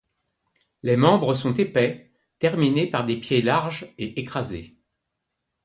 Les membres sont épais, terminés par des pieds larges et écrasés.